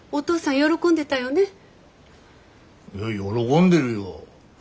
喜んでるよ。